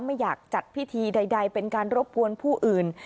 ไม่อยากจัดพิธีใดเป็นการรบกวนผู้อื่น